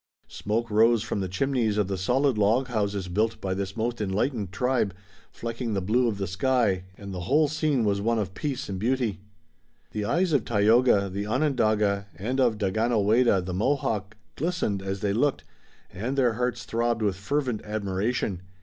Smoke rose from the chimneys of the solid log houses built by this most enlightened tribe, flecking the blue of the sky, and the whole scene was one of peace and beauty. The eyes of Tayoga, the Onondaga, and of Daganoweda, the Mohawk, glistened as they looked, and their hearts throbbed with fervent admiration.